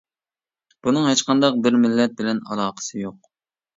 بۇنىڭ ھېچقانداق بىر مىللەت بىلەن ئالاقىسى يوق.